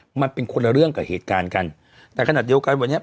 มันเป็นคนละเรื่องกับเหตุการณ์กันแต่ขนาดเดียวกันวันนี้